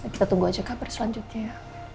kita tunggu aja kabar selanjutnya